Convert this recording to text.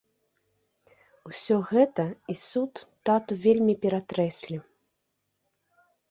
Усё гэта і суд тату вельмі ператрэслі.